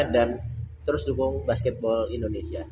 dan terus dukung basketball indonesia